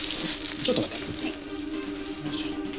ちょっと待って。